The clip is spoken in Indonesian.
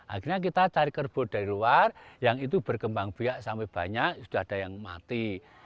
akhirnya kita cari kerbau dari luar yang itu berkembang biak sampai banyak sudah ada yang mati